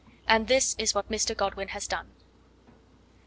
And this is what Mr. Godwin has done.